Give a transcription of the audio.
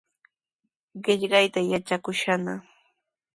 Qillqayta yatrakushunna.